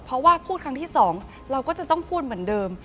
เพราะว่าพูดครั้งที่๒เราก็จะต้องพูดเหมือนเดิม